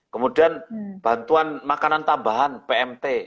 kemudian bantuan makanan tambahan pmt